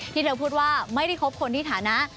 ที่เธอพูดว่าไม่ได้คบคนที่ฐานะ